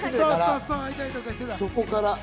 そこから。